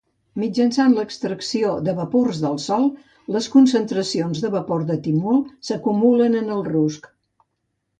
Mitjançant l'extracció de vapors del sol, les concentracions de vapor de timol s'acumulen en el rusc.